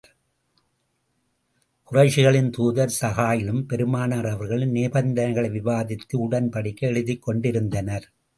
குறைஷிகளின் தூதர் ஸூஹைலும், பெருமானார் அவர்களும் நிபந்தனைகளை விவாதித்து, உடன்படிக்கை எழுதிக் கொண்டிருந்தனர்.